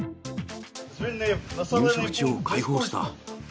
入植地を解放した。